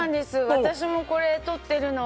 私もこれ、とってるの。